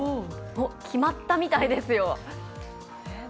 決まったみたいですよ。